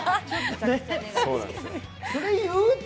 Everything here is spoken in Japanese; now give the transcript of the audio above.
それ言う？